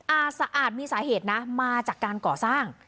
อาจมีสาเหตุนะมาจากการก่อสร้าง